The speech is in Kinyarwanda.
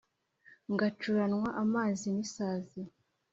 ngacuranywa amazi n'isazi